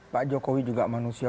pak jokowi juga manusia